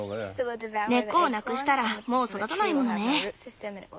根っこをなくしたらもう育たないものね。